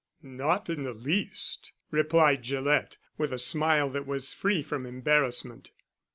"Not in the least," replied Gillett with a smile that was free from embarrassment.